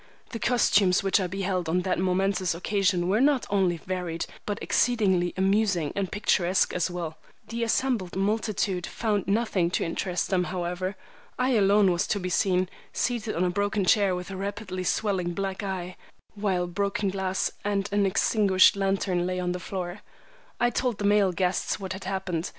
The costumes which I beheld on that momentous occasion were not only varied but exceedingly amusing and picturesque as well. The assembled multitude found nothing to interest them, however. I alone was to be seen, seated on a broken chair, with a rapidly swelling black eye, while broken glass and an extinguished lantern lay on the floor. I told the male guests what had happened.